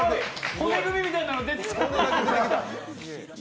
骨組みみたいなの出てきた。